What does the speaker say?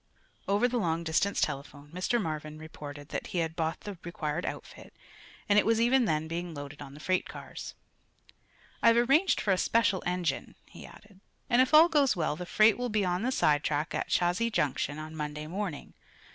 Over the long distance telephone Mr. Marvin reported that he had bought the required outfit and it was even then being loaded on the freight cars. "I've arranged for a special engine," he added, "and if all goes well the freight will be on the sidetrack at Chazy Junction on Monday morning.